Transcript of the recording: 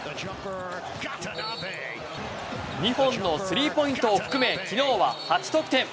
２本の３ポイントを含め昨日は８得点。